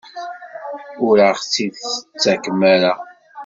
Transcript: Ur aɣ-tt-id-tettakem ara?